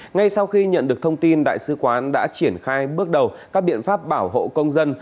ngay sau khi nhận được thông tin đại sứ quán đã triển khai bước đầu các biện pháp bảo hộ công dân